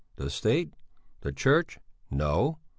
The State? The church? No!